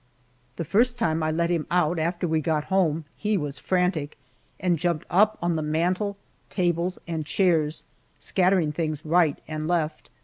The first time I let him out after we got home he was frantic, and jumped on the mantel, tables, and chairs, scattering things right and left.